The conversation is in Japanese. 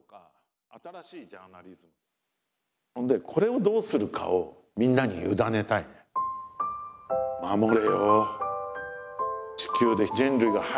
ほんでこれをどうするかをみんなに委ねたいね。